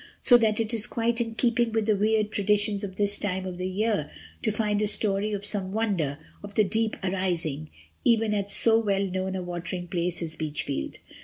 So that it is quite in keeping with the weird traditions of this time of the year to find a story of some wonder of the deep, arising even at so well known a watering place as Beachfield.